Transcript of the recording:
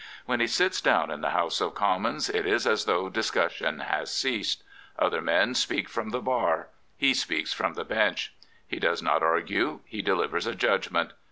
When he sits down in the House of Commons, it is as though discussion has ceased. Other men speak from the bar; he speaks from the bench. He does not argue; he delivers a judgment.